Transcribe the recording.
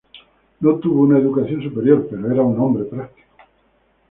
No tuvo una educación superior, pero era un hombre práctico.